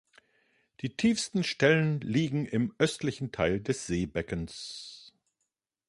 Die tiefsten Stellen liegen im östlichen Teil des Seebeckens.